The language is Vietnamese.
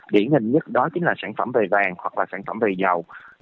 điển hình nhất đó chính là sản phẩm về vàng hoặc là sản phẩm về dầu